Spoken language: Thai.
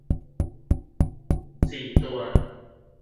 สี่ตัว